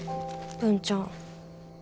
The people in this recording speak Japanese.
文ちゃん。